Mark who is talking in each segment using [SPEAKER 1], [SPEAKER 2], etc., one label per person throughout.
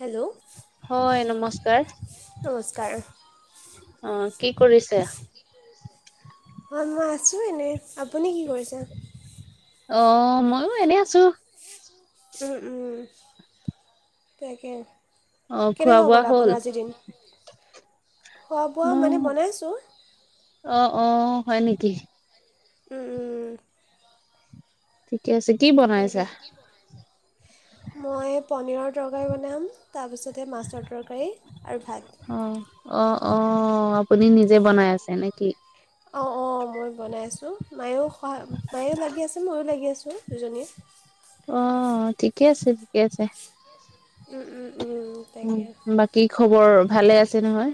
[SPEAKER 1] Hello
[SPEAKER 2] হয়, নমস্কাৰ।
[SPEAKER 1] নমস্কাৰ
[SPEAKER 2] অ' কি কৰিছে।
[SPEAKER 1] হয়, মই আছোঁ এনেই আপুনি কি কৰিছে।
[SPEAKER 2] অ' ময়ো এনেই আছোঁ।
[SPEAKER 1] উম, উম, তাকে।
[SPEAKER 2] অ খোৱা
[SPEAKER 1] কেনেকুৱা
[SPEAKER 2] বোৱা
[SPEAKER 1] গ'ল
[SPEAKER 2] হ'ল
[SPEAKER 1] আপোনাৰ আজিৰ দিন। খোৱা বোৱা
[SPEAKER 2] মোৰ
[SPEAKER 1] মানে বনাইছো।
[SPEAKER 2] অ' অ' হয় নেকি?
[SPEAKER 1] উম, উম।
[SPEAKER 2] ঠিকে আছে কি
[SPEAKER 1] তাকে
[SPEAKER 2] বনাইছা
[SPEAKER 1] কি বনাইছো, মই পনীৰৰ- তৰকাৰী বনাম, তাৰপিছতে মাছৰ তৰকাৰী আৰু ভাত।
[SPEAKER 2] অ অ অ' আপুনি নিজে বনাই আছে নেকি?
[SPEAKER 1] অ' অ' মই বনাই আছো। মায়ো সহায় মায়ে লাগি আছে, ময়ো লাগি আছো। দুজনীয়ে
[SPEAKER 2] অ' ঠিকে আছে ঠিকে আছে।
[SPEAKER 1] উম, উম। উম, তাকে
[SPEAKER 2] উম বাকী খবৰ ভালে আছে নহয়।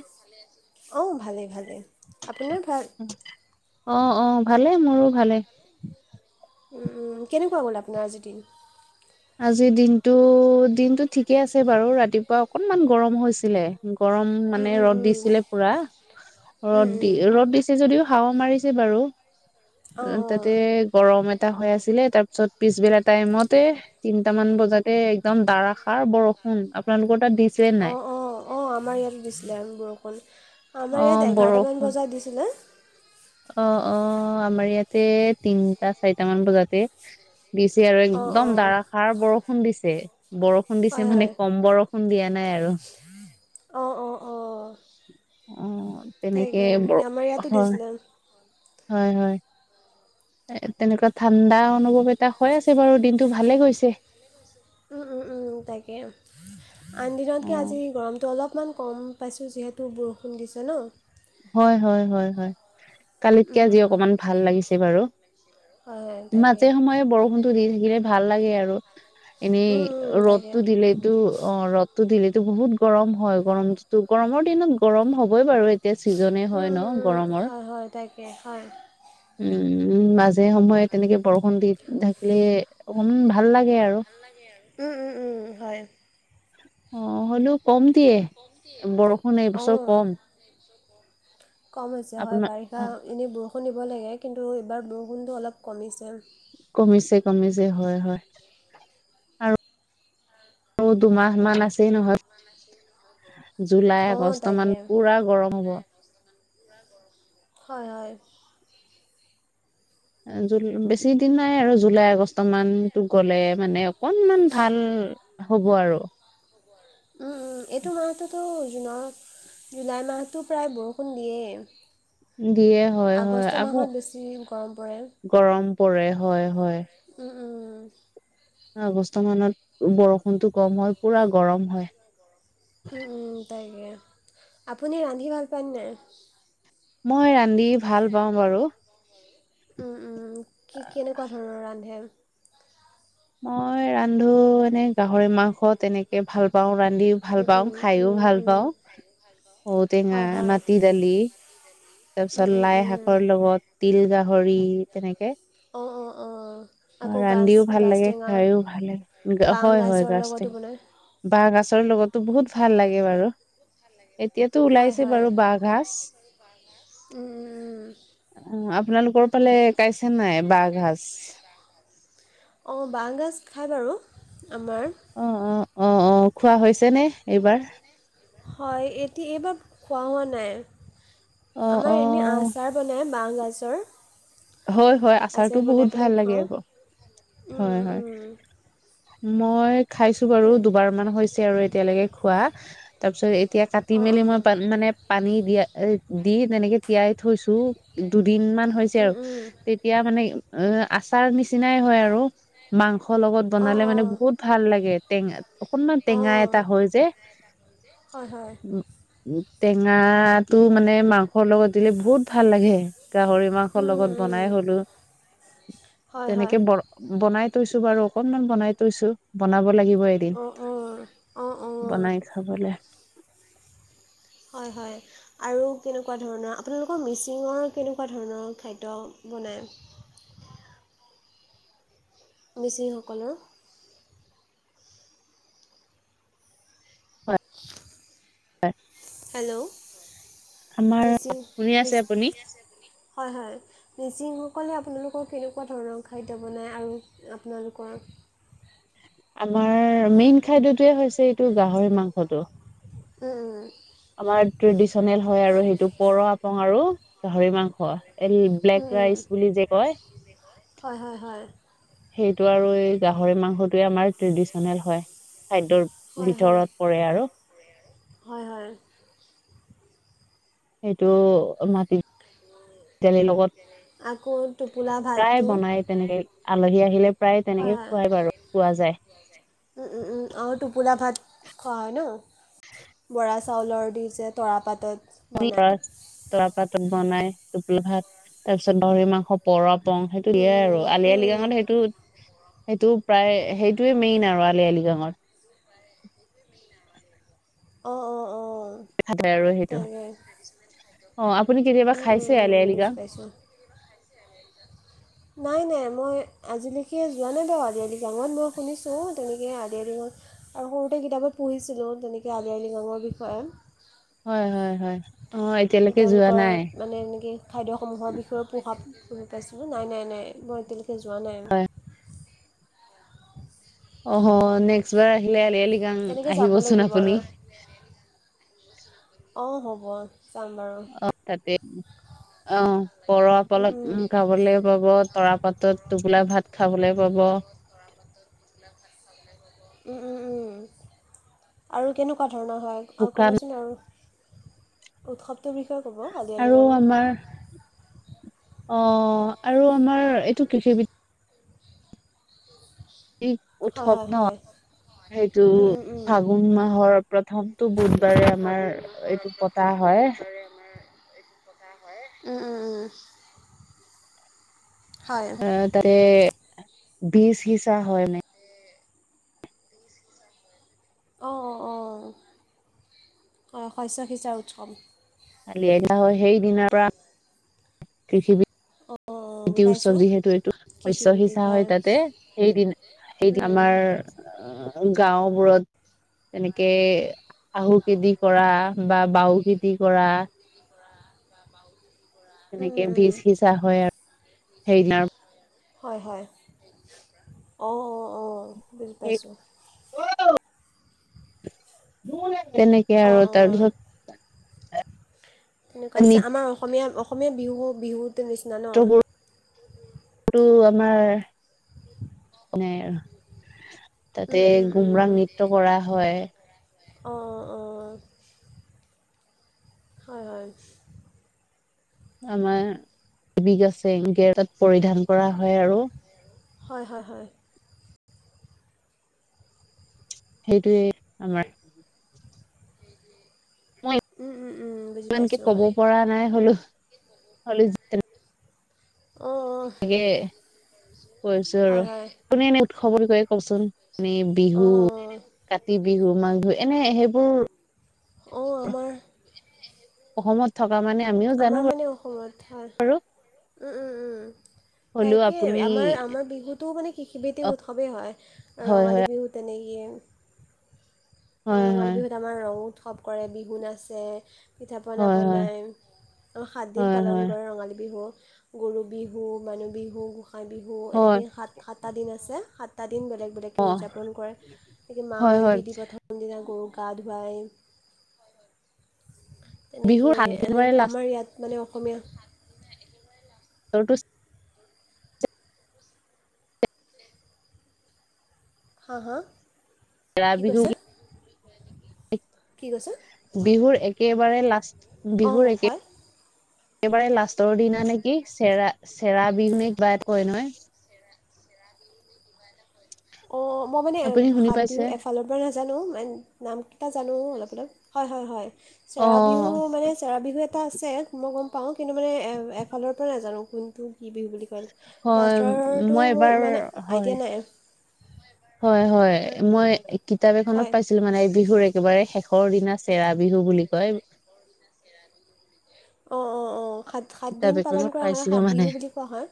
[SPEAKER 1] অ' ভালে ভালে আপোনাৰ ভাল।
[SPEAKER 2] অ' অ' ভালে মোৰো ভালে।
[SPEAKER 1] কেনেকুৱা গ'ল আপোনাৰ আজি দিন।
[SPEAKER 2] আজি দিনটো দিনতটো ঠিকে আছে বাৰু ৰাতিপুৱা অকণমান গৰম হৈছিলে। গৰম
[SPEAKER 1] উম,
[SPEAKER 2] মানে
[SPEAKER 1] উম,
[SPEAKER 2] ৰ'দ
[SPEAKER 1] উম,
[SPEAKER 2] দিছিলে পুৰা।
[SPEAKER 1] উম,
[SPEAKER 2] ৰ'দ দি
[SPEAKER 1] উম,
[SPEAKER 2] ৰ'দ দিছে যদিও হাঁৱা মাৰি বাৰু
[SPEAKER 1] অঁ
[SPEAKER 2] তাতে
[SPEAKER 1] অঁ
[SPEAKER 2] গৰম এ এটা হৈ আছিলে। তাৰ পিছত পিছবেলা টাইমতে তিনটা মান বজাতে একদম দাৰষাৰ বৰষুণ আপোনালোকৰ তাত দিছিলে নাই?
[SPEAKER 1] অঁ অঁ অঁ আমাৰ ইয়াতে দিছিলে আৰু বৰষুণ আমাৰ
[SPEAKER 2] অ',
[SPEAKER 1] ইয়াত এঘাৰটা মান
[SPEAKER 2] বৰষুণ
[SPEAKER 1] বজাত দিছিলে।
[SPEAKER 2] অ, অ আমাৰ ইয়াতে তিনটা-চাৰিটা মান বজাতে দিছে আৰু
[SPEAKER 1] অঁ
[SPEAKER 2] একদম
[SPEAKER 1] অঁ
[SPEAKER 2] দাৰষাৰ বৰষুণ দিছে। বৰষুণ দিছে
[SPEAKER 1] হয়
[SPEAKER 2] মানে
[SPEAKER 1] হয়
[SPEAKER 2] কম বৰষুণ দিয়া নাই আৰু।
[SPEAKER 1] অঁ অঁ অঁ
[SPEAKER 2] অ' তেনেকে
[SPEAKER 1] তাকে
[SPEAKER 2] ব
[SPEAKER 1] আমাৰ ইয়াতো
[SPEAKER 2] হয়।
[SPEAKER 1] দিছিলে
[SPEAKER 2] হয়, হয়। এ তেনেকুৱা ঠাণ্ডা অনুভৱ এটা হৈ আছে বাৰু দিনটো ভালে গৈছে।
[SPEAKER 1] তাকে, আন
[SPEAKER 2] অ',
[SPEAKER 1] দিনতকৈ আজি গৰমটো অলপ অকণমান কম পাইছোঁ, যিহেতু বৰষুণ দিছে ন
[SPEAKER 2] হয়, হয়, হয়, হয়। কালিতকে
[SPEAKER 1] উম
[SPEAKER 2] আজি
[SPEAKER 1] উম
[SPEAKER 2] অকণমান ভাল লাগিছে বাৰু।
[SPEAKER 1] হয় হয় তাকে
[SPEAKER 2] মাজে সময়ে বৰষুণটো দি থাকিলে ভাল লাগে আৰু এনেই
[SPEAKER 1] উম উম তাকে
[SPEAKER 2] ৰ'দতটো দিলেইটো অ ৰ'দটো দিলেই টো বহুত গৰম হয়। গৰমটো গৰমৰ দিনত গৰম হ'বই বাৰু এতিয়া ছিজনে
[SPEAKER 1] উম
[SPEAKER 2] হয় ন
[SPEAKER 1] উম উম
[SPEAKER 2] গৰমৰ।
[SPEAKER 1] হয় হয় তাকে হয়
[SPEAKER 2] উম উম। মাজে সময়ে তেনেকে বৰষুণ দি থাকিলেম ভাল লাগে আৰু
[SPEAKER 1] উম উম উম হয়।
[SPEAKER 2] আহ হলেও কম দিয়ে। বৰষুণ এইবছৰ
[SPEAKER 1] অঁ
[SPEAKER 2] কম।
[SPEAKER 1] কম হৈছে হয়।
[SPEAKER 2] আপোনাৰ
[SPEAKER 1] বাৰিষা
[SPEAKER 2] অ
[SPEAKER 1] এনেই বৰষুণ দিব লাগে কিন্তু এইবাৰ দুগুণটো অলপ কমিছে।
[SPEAKER 2] কমিছে, কমিছে হয়। হয়। আৰু দুমাহ মান আছেই নহয়। জুলাই
[SPEAKER 1] অঁ
[SPEAKER 2] আগষ্ট
[SPEAKER 1] তাকে
[SPEAKER 2] মান পুৰা গৰম হ'ব।
[SPEAKER 1] হয়। হয়।
[SPEAKER 2] জ বেছি দিন নাই আৰু জুলাই আগষ্ট মান গ'লে মানে অকনমান ভাল হ'ব আৰু।
[SPEAKER 1] উম। উম। এইটো মানটোতো জুলাই মাহটো প্ৰায় বৰষুণ দিয়েই।
[SPEAKER 2] দিয়ে হয়। হয়।
[SPEAKER 1] আগষ্ট
[SPEAKER 2] আকৌ
[SPEAKER 1] মাহত বেছি গৰম পৰে
[SPEAKER 2] গৰম পৰে হয় হয়।
[SPEAKER 1] উঁম
[SPEAKER 2] আগষ্ট মানত বৰষুণটো কম হয়। পুৰা গৰম হয়।
[SPEAKER 1] উম উম তাকে। আপুনি ৰান্ধি ভাল পায়নে নাই?
[SPEAKER 2] মই ৰান্ধি ভাল পাওঁ বাৰু।
[SPEAKER 1] উম, উম, কি, কেনেকুৱা ধৰণৰ ৰান্ধে?
[SPEAKER 2] মই ৰান্ধো এনে গাহৰি মাংস তেনেকে ভাল পাওঁ। ৰান্ধিও ভাল পাওঁ,
[SPEAKER 1] উম,
[SPEAKER 2] খাইও
[SPEAKER 1] উম,
[SPEAKER 2] ভাল পাওঁ,
[SPEAKER 1] উম,
[SPEAKER 2] ঔটেঙা,
[SPEAKER 1] হয় হয়
[SPEAKER 2] মাটি দালি
[SPEAKER 1] উম,
[SPEAKER 2] তাৰপিছত
[SPEAKER 1] উম,
[SPEAKER 2] লাই
[SPEAKER 1] উম,
[SPEAKER 2] শাকৰ লগত তিল গাহৰি তেনেকে।
[SPEAKER 1] অঁ অঁ অঁ
[SPEAKER 2] অ
[SPEAKER 1] আকৌ গাজ
[SPEAKER 2] ৰান্ধিও ভাল
[SPEAKER 1] গাজ
[SPEAKER 2] লাগে,
[SPEAKER 1] টেঙা
[SPEAKER 2] খাইও ভাল লাগে। হয়। হয়। গছ তে
[SPEAKER 1] ম [unintelligible]
[SPEAKER 2] বাঁহ গছৰ লগত ত বহুত ভাল লাগে বাৰু এতিয়াতো
[SPEAKER 1] হয়
[SPEAKER 2] ওলাইছে
[SPEAKER 1] হয়
[SPEAKER 2] বাৰু বাঁহ ঘাজ।
[SPEAKER 1] উম উম
[SPEAKER 2] অ আপোনালোকৰ ফালে কাইছে নাই বাঁহ ঘাজ?
[SPEAKER 1] অঁ বাঁহগাজ খায় বাৰু আমাৰ।
[SPEAKER 2] অ অ অ অ খোৱা হৈছে নে এইবাৰ?
[SPEAKER 1] হয়। এতিয়া এইবাৰ খোৱা হোৱা নাই।
[SPEAKER 2] অ অ
[SPEAKER 1] আমাৰ এনেই আচাৰ বনাই বাহ গাজৰ
[SPEAKER 2] হয়। হয়। আচাৰটো
[SPEAKER 1] আচাৰ
[SPEAKER 2] বহুত ভাল লাগে
[SPEAKER 1] খাওঁ
[SPEAKER 2] আকৌ
[SPEAKER 1] উম,
[SPEAKER 2] হয়।
[SPEAKER 1] উম,
[SPEAKER 2] হয়।
[SPEAKER 1] উম,
[SPEAKER 2] মই খাইছো বাৰু
[SPEAKER 1] তাকে
[SPEAKER 2] দুবাৰ মান হৈছে আৰু এতিয়ালৈকে খোৱা তাৰ পিছত এতিয়া কাটি
[SPEAKER 1] অঁ
[SPEAKER 2] মেলি
[SPEAKER 1] অঁ
[SPEAKER 2] মই পা মানে পানী দিয়া এ দি তেনেকে তিয়াই থৈছো দুদিন মান হৈছে
[SPEAKER 1] উম,
[SPEAKER 2] আৰু
[SPEAKER 1] উম।
[SPEAKER 2] তেতিয়া মানে আচাৰ নিচিনাই হয় আৰু মাংস ৰ লগত
[SPEAKER 1] অঁ
[SPEAKER 2] বনালে মানে
[SPEAKER 1] অঁ
[SPEAKER 2] বহুত ভাল লাগে টেঙা অকণমান টেঙা
[SPEAKER 1] অঁ
[SPEAKER 2] এটা হয় যে,
[SPEAKER 1] হয় হয়
[SPEAKER 2] উম উম। টেঙাটো মানে মাংসৰ লগত দিলে বহুত ভাল লাগে, গাহৰি মাংস
[SPEAKER 1] উম,
[SPEAKER 2] লগত
[SPEAKER 1] উম,
[SPEAKER 2] বনাই
[SPEAKER 1] উম।
[SPEAKER 2] হলো।
[SPEAKER 1] হয়
[SPEAKER 2] তেনেকে
[SPEAKER 1] হয়
[SPEAKER 2] ব বনাই থৈছো বাৰু অকনমান বনাই থৈছো বনাব লাগিব দিন
[SPEAKER 1] অঁ অঁ অঁ অঁ
[SPEAKER 2] বনাই খাবলে।
[SPEAKER 1] হয় হয় আৰু কেনেকুৱা ধৰণৰ, আপোনালোকৰ মিচিঙৰ কেনেকুৱা ধৰণৰ খাদ্য বনায়?
[SPEAKER 2] [unintelligible]
[SPEAKER 1] মিচিংসকলৰ হেল্ল'
[SPEAKER 2] আমাৰ
[SPEAKER 1] মিচিং,
[SPEAKER 2] শুনি আছে আপুনি
[SPEAKER 1] হয় হয়। মিচিংসকলে আপোনালোকৰ কেনেকুৱা ধৰণৰ খাদ্য বনায় আৰু আপোনালোকৰ
[SPEAKER 2] আমাৰ মেইন খাদ্যটোৱে হৈছে এইটো গাহৰি মাংসটো।
[SPEAKER 1] [unintelligible]
[SPEAKER 2] আমাৰ ট্ৰেডিচনেল হয় আৰু সেইটো পৰ আপং আৰু গাহৰি মাংস। এই ব্লেক
[SPEAKER 1] উম, উম।
[SPEAKER 2] ৰাইচ বুলি যে কয়।
[SPEAKER 1] হয় হয় হয়।
[SPEAKER 2] সেইটো আৰু এই গাহৰি মাংসটোৱে আমাৰ ট্ৰেডিশনেল হয়। খাদ্যৰ
[SPEAKER 1] হয় হয়
[SPEAKER 2] ভিতৰত পৰে আৰু
[SPEAKER 1] হয় হয়।
[SPEAKER 2] সেইটো মাটি, দালিৰ লগত
[SPEAKER 1] আকৌ টোপোলা
[SPEAKER 2] প্ৰায়
[SPEAKER 1] ভাতটো
[SPEAKER 2] বনাই তেনেকে আলহী আহিলে প্ৰায়
[SPEAKER 1] হয়
[SPEAKER 2] তেনেকে
[SPEAKER 1] হয়
[SPEAKER 2] খুৱাই বাৰু খোৱা যায়। [unintelligible]
[SPEAKER 1] উম উম উম, অঁ টোপোলা ভাত। খোৱা হয় ন? বৰা চাউলৰ দি যে তৰা পাতত।
[SPEAKER 2] লৰা
[SPEAKER 1] বনায়
[SPEAKER 2] তৰা পাতত বনাই টোপোল ভাত তাৰ পিছত গাহৰি মাংসৰ পৰপ। আপং সেইটো
[SPEAKER 1] উম,
[SPEAKER 2] দিয়ে আৰু
[SPEAKER 1] উম,
[SPEAKER 2] আলি
[SPEAKER 1] উম,
[SPEAKER 2] আই
[SPEAKER 1] উম।
[SPEAKER 2] লৃগাঙত সেইটো সেইটো প্ৰায় সেইটোৱে মেইন আৰু আলি আলৃগাঙত।
[SPEAKER 1] অঁ অঁ অঁ
[SPEAKER 2] খাদ্য আৰু সেইটো
[SPEAKER 1] তাকে।
[SPEAKER 2] অ আপুনি কেতিয়াবা
[SPEAKER 1] উম, উম,
[SPEAKER 2] খাইছে আলি
[SPEAKER 1] উম,
[SPEAKER 2] আই
[SPEAKER 1] বুজি
[SPEAKER 2] লিগাং?
[SPEAKER 1] পাইছোঁ নাই নাই মই আজিলৈকে যোৱা নাই বাও আলি আই লিগাঙত, মই শুনিছোঁ তেনেকে আলি আই আৰু সৰুতে কিতাপত পঢ়িছিলোঁ তেনেকে আলি আই লিগাঙৰ বিষয়ে।
[SPEAKER 2] হয় হয় হয়। অ এতিয়ালৈকে যোৱা
[SPEAKER 1] তেওঁলোকৰ
[SPEAKER 2] নাই
[SPEAKER 1] মানে এনেকৈ খাদ্যসমূহৰ বিষয়েও প্ৰভাৱ পঢ়ি পাইছোঁ নাই নাই নাই মই এতিয়ালৈকে যোৱা
[SPEAKER 2] হয়
[SPEAKER 1] নাই।
[SPEAKER 2] অহ হ নেক্সটবাৰ আহিলে আলি আই লিগাং
[SPEAKER 1] তেনেকৈ যাব
[SPEAKER 2] আহিবচোন
[SPEAKER 1] লাগিব আৰু
[SPEAKER 2] আপুনি।
[SPEAKER 1] অঁ হ'ব। যাম বাৰু
[SPEAKER 2] অ তাতে অ পৰপলত উম খাবলে পাব তৰা পাতত টোবোলা ভাত খাবলৈ পাব।
[SPEAKER 1] উম উম উম আৰু কেনেকুৱা? ধৰণৰ হয় আৰু
[SPEAKER 2] শুকান
[SPEAKER 1] ক'বচোন আৰু উৎস টো বিষয়ে ক'ব আালি আই লিগাঙৰ
[SPEAKER 2] অঁ আৰু আমাৰ এইটো কৃষিবিধ
[SPEAKER 1] হয়
[SPEAKER 2] উৎসৱ
[SPEAKER 1] হয়
[SPEAKER 2] ন
[SPEAKER 1] হয়
[SPEAKER 2] সেইটো
[SPEAKER 1] উম, উম, উম।
[SPEAKER 2] ফাগুন মাহৰ। প্ৰথমতটো বুধবাৰে আমাৰ এইটো পতা হয়।
[SPEAKER 1] উম উম উম। হয়
[SPEAKER 2] আহ তাতে বীজ হিচা হয় মানে।
[SPEAKER 1] অ', অ', অ', শস্য সিচা উৎসৱ।
[SPEAKER 2] আলিয়াই দিয়া হয় সেই দিনাৰ পৰা কৃষি বি
[SPEAKER 1] অঁ
[SPEAKER 2] খেতি উৎসৱ
[SPEAKER 1] বুজাইছোঁ
[SPEAKER 2] যিহেতু এইটো শস্য সিঁচা হয় তাতে সেইদিনা সেইটো
[SPEAKER 1] উম,
[SPEAKER 2] আমাৰ গাওঁবোৰত তেনেকে আহু খেতি কৰা বা বাও খেতি কৰা
[SPEAKER 1] উম,
[SPEAKER 2] তেনেকে
[SPEAKER 1] উম,
[SPEAKER 2] বীজ
[SPEAKER 1] উম।
[SPEAKER 2] সিচা হয় আৰু সেইনাৰ
[SPEAKER 1] হয় হয়, অঁ অঁ অঁ। বুজি পাইছোঁ
[SPEAKER 2] [unintelligible] তেনেকে
[SPEAKER 1] অঁ
[SPEAKER 2] আৰু
[SPEAKER 1] অঁ
[SPEAKER 2] তাৰপিছত
[SPEAKER 1] তেনেকুৱা হৈছে আমাৰ অসমীয়া অসমীয়া বিহু বিহুটোৰ নিচিনা ন?
[SPEAKER 2] এইটো আমাৰ, মানে আৰু তাতে গুমৰাং নৃত্য কৰা হয়।
[SPEAKER 1] অ', অ', অ'। হয়, হয়।
[SPEAKER 2] আমাৰ [unintelligible] পৰিধান কৰা হয় আৰু।
[SPEAKER 1] হয়, হয়, হয়।
[SPEAKER 2] সেইটোয়ে আমাৰ মই
[SPEAKER 1] উম, উম। উম, বুজি
[SPEAKER 2] ইমানকে
[SPEAKER 1] পাইছোঁ
[SPEAKER 2] ক'ব
[SPEAKER 1] হয়
[SPEAKER 2] পৰা নাই হ'লেও
[SPEAKER 1] অঁ অঁ
[SPEAKER 2] এ কৈছো আৰু
[SPEAKER 1] হয় হয়
[SPEAKER 2] কোনে এনে উৎসৱ বুলি কয় চোন মনেই
[SPEAKER 1] অঁ
[SPEAKER 2] বিহু কাতি বিহু মাঘ বিহু এনে সেইবোৰ
[SPEAKER 1] অ', আমাৰ
[SPEAKER 2] অসমত থকা মানে আমিও
[SPEAKER 1] আমাৰ
[SPEAKER 2] জানো
[SPEAKER 1] মানে অসমত হয়,
[SPEAKER 2] বাৰু
[SPEAKER 1] উম, উম, উম।
[SPEAKER 2] হ'লেও
[SPEAKER 1] তাকে
[SPEAKER 2] আপুনি
[SPEAKER 1] আমাৰ আমাৰ বিহুত তো মানে
[SPEAKER 2] অ
[SPEAKER 1] কৃষিভৃতিক উৎসৱেই হয় ৰঙালী বিহু তেনেকেই
[SPEAKER 2] হয়
[SPEAKER 1] ৰঙালী
[SPEAKER 2] হয়
[SPEAKER 1] বিহুত আমাৰ ৰং উৎসৱ কৰে বিহু নাচে। পিঠা পনা
[SPEAKER 2] হয় হয়
[SPEAKER 1] বনাই অ' সাতদিন
[SPEAKER 2] হয় হয়
[SPEAKER 1] পালন কৰে ৰঙালী বিহু। গৰু বিহু, মানুহ বিহু, গোঁসাই বিহু
[SPEAKER 2] হয়
[SPEAKER 1] এনেকেই সাত সাতটা দিন আছে। সাত দিন বেলেগ বেলেগকে উদযাপন কৰে। মাহ
[SPEAKER 2] হয় হয়
[SPEAKER 1] হালধি গৰুক গা ধুৱাই
[SPEAKER 2] বিহুৰ সাত
[SPEAKER 1] তেনেকেনে
[SPEAKER 2] দিনৰে
[SPEAKER 1] আমাৰ ইয়াত মানে অসমীয়া
[SPEAKER 2] টো
[SPEAKER 1] হা হা??
[SPEAKER 2] [unintelligible] বিহু
[SPEAKER 1] কি কৈছে
[SPEAKER 2] বিহুৰ একেবাৰে লাষ্ট
[SPEAKER 1] অঁ
[SPEAKER 2] বিহুৰ একে
[SPEAKER 1] হয়
[SPEAKER 2] একেবাৰে লাষ্টৰ দিনা নেকি চেৰা চেৰা বিহুনে কিবা কয় নহয়৷
[SPEAKER 1] অ', মই মানে
[SPEAKER 2] আপুনি শুনি
[SPEAKER 1] সাত
[SPEAKER 2] পাইছে
[SPEAKER 1] বিহু এফালৰ পৰা নাজানো মান নাম এটা জানো অলপ অলপ হয়, হয়, হয়
[SPEAKER 2] অ
[SPEAKER 1] চেৰা বিহু মানে চেৰা বিহু এটা আছে মই গম পাওঁ কিন্তু মানে এফালৰ পৰা নাজানো কোনটো কি বিহু বুলি কয়।
[SPEAKER 2] হয়
[SPEAKER 1] লাষ্টৰটো
[SPEAKER 2] মই
[SPEAKER 1] মোৰ
[SPEAKER 2] এবাৰ
[SPEAKER 1] ইমান
[SPEAKER 2] হয়
[SPEAKER 1] আইডিয়া নাই।
[SPEAKER 2] হয়, হয় মই কিতাপ এখনত
[SPEAKER 1] হয়
[SPEAKER 2] পাইছিলো মানে বিহুৰ একেবাৰে শেষ শেষৰ দিনা চেৰা বিহু বুলি কয়।
[SPEAKER 1] অ', অ', অ'। সাত
[SPEAKER 2] কিতাপ
[SPEAKER 1] সাতদিন পালন
[SPEAKER 2] এখনত
[SPEAKER 1] কৰা হয়
[SPEAKER 2] পাইছিলো
[SPEAKER 1] সাত
[SPEAKER 2] মানে
[SPEAKER 1] বিহু বুলি কোৱা হয়।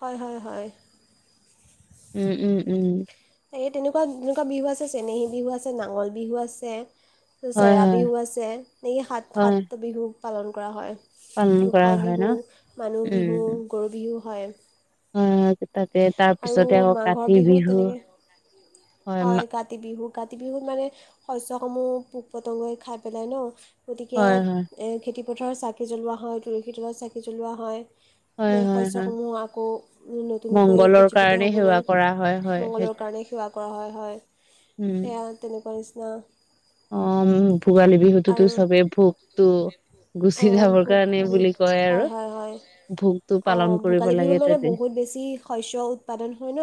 [SPEAKER 1] হয়, হয়, হয়।
[SPEAKER 2] উম, উম, উম।
[SPEAKER 1] এই তেনেকুৱা তেনেকুৱা বিহু আছে চেনেহী বিহু আছে, নাঙল বিহু আছে
[SPEAKER 2] হয়
[SPEAKER 1] চেৰা
[SPEAKER 2] হয়
[SPEAKER 1] বিহু আছে। এই সাত
[SPEAKER 2] হয়
[SPEAKER 1] সাত বিহু পালন কৰা হয়।
[SPEAKER 2] পালন কৰা
[SPEAKER 1] গোসাঁই
[SPEAKER 2] হয় ন
[SPEAKER 1] বিহু, মানুহ বিহু, গৰু বিহু, হয়।
[SPEAKER 2] [unintelligible] তাতে
[SPEAKER 1] আৰু
[SPEAKER 2] তাৰপিছতে আকৌ
[SPEAKER 1] মাঘৰ
[SPEAKER 2] কাতি
[SPEAKER 1] বিহুত
[SPEAKER 2] বিহু,
[SPEAKER 1] তেনেকৈ
[SPEAKER 2] হয়, মা
[SPEAKER 1] কাতি বিহু কাতি বিহুত মানে শস্যসমূহ পোক পতংগই খাই পেলাই ন? গতিকে
[SPEAKER 2] হয় হয়
[SPEAKER 1] খেতিপথাৰত চাকি জ্বলোৱা হয়, তুলসী তলত চাকি জ্বলোৱা হয়।
[SPEAKER 2] হয় হয় হয়
[SPEAKER 1] শস্যসমূহ আকৌ নতুন গৈ
[SPEAKER 2] মংগলৰ
[SPEAKER 1] উজ্জীৱিত
[SPEAKER 2] কাৰণে
[SPEAKER 1] হ'বলৈ
[SPEAKER 2] সেৱা কৰা হয় হয়
[SPEAKER 1] মঙংগলৰ
[SPEAKER 2] সেইটো
[SPEAKER 1] কাৰণে সেৱা কৰা হয়।
[SPEAKER 2] উম
[SPEAKER 1] সেয়া তেনেকুৱা নিচিনা।
[SPEAKER 2] অ', ভোগালী বিহুতোতো
[SPEAKER 1] আৰু
[SPEAKER 2] চবেই ভোগতো গুচি
[SPEAKER 1] অঁ
[SPEAKER 2] যাবৰ
[SPEAKER 1] ভোগ
[SPEAKER 2] কাৰণে
[SPEAKER 1] হয়
[SPEAKER 2] বুলি কয় আৰু।
[SPEAKER 1] হয় হয়
[SPEAKER 2] ভোগতটো
[SPEAKER 1] অঁ
[SPEAKER 2] পালন কৰিব
[SPEAKER 1] ভোগালী বিহুত
[SPEAKER 2] লাগে
[SPEAKER 1] মানে
[SPEAKER 2] ততে।
[SPEAKER 1] বহুত বেছি শস্য উৎপাদন হয় ন।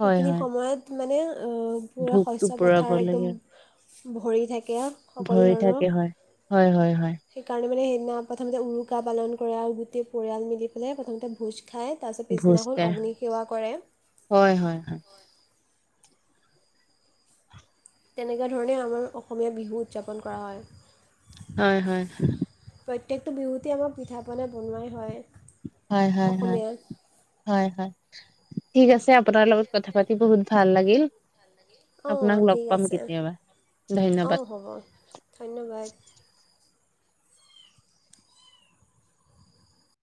[SPEAKER 1] সেইখিনি
[SPEAKER 2] হয়
[SPEAKER 1] সময়ত মানে ও পুৰা
[SPEAKER 2] ভোকটো
[SPEAKER 1] শস্য
[SPEAKER 2] পুৰাব
[SPEAKER 1] পথাৰ একদম
[SPEAKER 2] লাগে
[SPEAKER 1] ভৰি থাকে সকলো
[SPEAKER 2] ভৰি
[SPEAKER 1] ধৰণৰ
[SPEAKER 2] থাকে হয় হয় হয় হয়
[SPEAKER 1] সেইকাৰণে মানে দিনা প্ৰথমতে উৰুকা পালন কৰে আৰু গোটেই পৰিয়াল মিলি পেলাই প্ৰথমতে ভোজ খাই তাৰ পিছত পিছদিনাখন
[SPEAKER 2] ভোজতে
[SPEAKER 1] অগ্নি সেৱা কৰে
[SPEAKER 2] হয়, হয়।
[SPEAKER 1] তেনেকুৱা ধৰণে আমাৰ অসমীয়া বিহু উদযাপন কৰা হয়।
[SPEAKER 2] হয়, হয়।
[SPEAKER 1] প্ৰত্যেকটো বিহুতেই আমাক পিঠা পনা বনোৱাই হয়।
[SPEAKER 2] হয়, হয়,
[SPEAKER 1] অসমীয়াৰ
[SPEAKER 2] হয়। ঠিক আছে আপোনাৰ লগত কথা পাতি বহুত ভাল লাগিল।
[SPEAKER 1] অঁ,
[SPEAKER 2] আপোনাক লগ
[SPEAKER 1] ঠিক
[SPEAKER 2] পাম
[SPEAKER 1] আছে।
[SPEAKER 2] কেতিয়াবা ধন্যবাদ
[SPEAKER 1] অঁ, হ'ব, ধন্যবাদ।